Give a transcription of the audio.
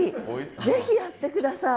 ぜひやって下さい。